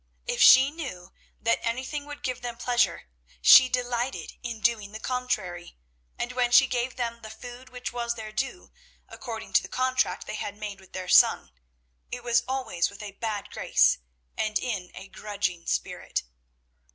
If she knew that anything would give them pleasure, she delighted in doing the contrary, and when she gave them the food which was their due, according to the contract they had made with their son, it was always with a bad grace, and in a grudging spirit.